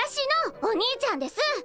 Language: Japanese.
お兄ちゃんです！